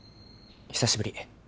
久しぶり。